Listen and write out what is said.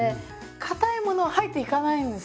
かたいもの入っていかないんです。